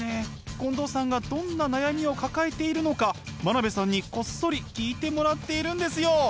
近藤さんがどんな悩みを抱えているのか真鍋さんにこっそり聞いてもらっているんですよ！